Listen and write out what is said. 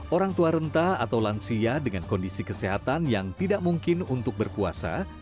orang tua renta atau lansia dengan kondisi kesehatan yang tidak mungkin untuk berpuasa